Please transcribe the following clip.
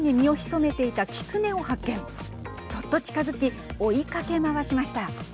そっと近づき追いかけまわしました。